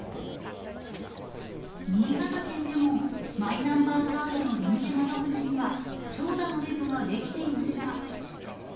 新潟県でもマイナンバーカードの臨時窓口には、長蛇の列が出来ていました。